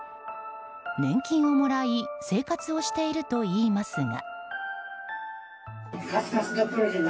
年金をもらい生活をしているといいますが。